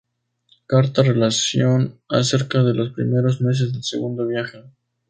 Carta-relación acerca de los primeros meses del Segundo Viaje.